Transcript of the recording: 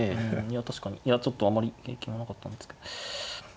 いや確かにいやちょっとあまり影響はなかったんですけど。